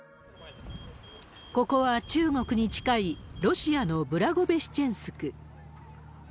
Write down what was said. ここは中国に近いロシアのブラゴベシチェンスク。